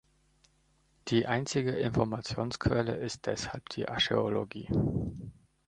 Die einzige Informationsquelle ist deshalb die Archäologie.